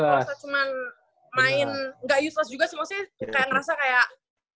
kalau saya cuman main nggak useless juga sih maksudnya kayak ngerasa kayak